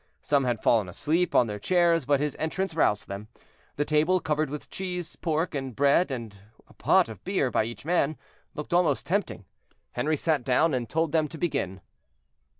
Some had fallen asleep on their chairs, but his entrance roused them. The table, covered with cheese, pork, and bread, with a pot of beer by each man, looked almost tempting. Henri sat down and told them to begin.